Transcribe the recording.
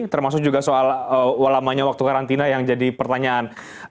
termasuk juga soal walamanya waktu karantina yang jadi pertanyaan